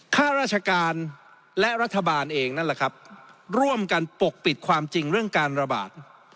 ข้าราชการและรัฐบาลเองนั่นแหละครับร่วมกันปกปิดความจริงเรื่องการระบาด